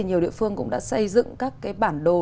nhiều địa phương cũng đã xây dựng các cái bản đồ